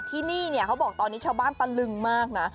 ที่นี่เนี่ยเขาบอกตอนนี้ชาวบ้านตะลึงมากนะ